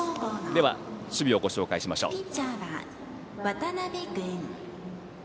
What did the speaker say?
では、守備をご紹介しましょう。